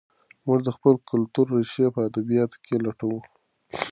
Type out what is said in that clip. موږ د خپل کلتور ریښې په ادبیاتو کې لټوو.